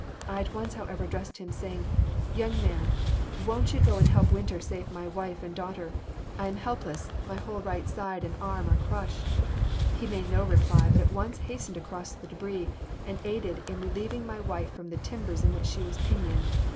I at once, however, addressed him, saying, 'Young man, won't you go and help Winter save my wife and daughter? I am helpless; my whole right side and arm are crushed.' He made no reply, but [Illustration: THE BATTLE WITH THE WATERS.] at once hastened across the debris, and aided in relieving my wife from the timbers in which she was pinioned.